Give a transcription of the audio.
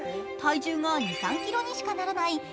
体重が２３ｋｇにしかならない